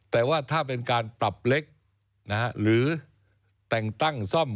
แต่ว่าถ้าเป็นการปรับเล็กหรือแต่งตั้งซ่อม